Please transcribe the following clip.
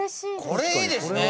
「これいいですね」